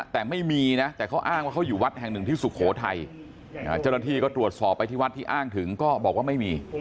แต่ไม่มีนะแต่เขาอ้างว่าเขาอยู่วัดแห่งหนึ่งที่สุโขทัยเจ้าหน้าที่ก็ตรวจสอบไปที่วัดที่อ้างถึงก็บอกว่าไม่มี